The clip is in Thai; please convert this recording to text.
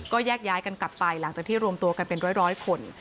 ก็แยกย้ายกันกลับไปหลังจากที่รวมตัวกันเป็นร้อยคน